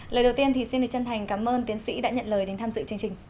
lời đầu tiên thì xin được chân thành cảm ơn tiến sĩ đã nhận lời đến tham dự chương trình